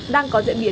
đang có diễn biến